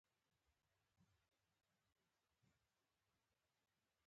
که سوله وي او ثبات نه وي.